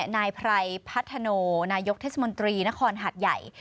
นายไพรพัฒโนนายกเทศมนตรีนครหัดใหญ่